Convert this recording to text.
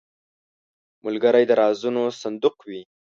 ملګری د رازونو صندوق وي